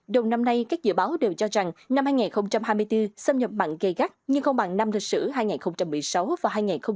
đầu năm nay các dự báo đều cho rằng năm hai nghìn hai mươi bốn xâm nhập mặn gây gắt nhưng không bằng năm lịch sử hai nghìn một mươi sáu và hai nghìn hai mươi